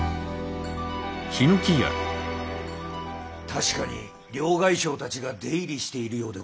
確かに両替商たちが出入りしているようでござんす。